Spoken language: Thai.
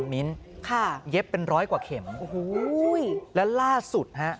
มิ้นข้าเย็บเป็นร้อยกว่าเข็มและล่าสุดฮะ